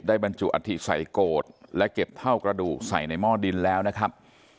บรรจุอัฐิใส่โกรธและเก็บเท่ากระดูกใส่ในหม้อดินแล้วนะครับ